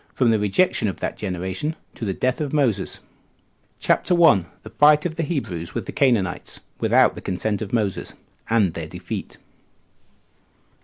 From The Rejection Of That Generation To The Death Of Moses. CHAPTER 1. Fight Of The Hebrews With The Canaanites Without The Consent Of Moses; And Their Defeat.